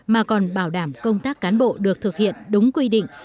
mà còn bảo đảm công tác cán bộ được thực hiện đúng quy định